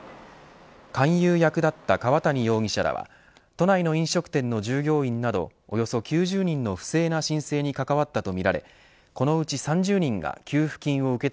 勧誘役だった川谷容疑者らは都内の飲食店の従業員などおよそ９０人の水曜日のお天気をお伝えします。